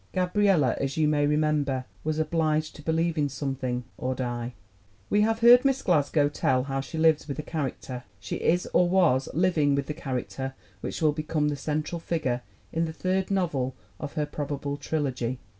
Gabriella, as you may remember, was 'obliged to believe in something or die.' ' We have heard Miss Glasgow tell how she lives with a character. She is, or was, living with the character which will become the central figure in the third novel of her probable trilogy.